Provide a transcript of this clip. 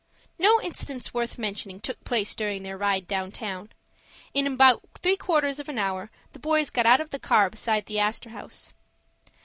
No incidents worth mentioning took place during their ride down town. In about three quarters of an hour the boys got out of the car beside the Astor House.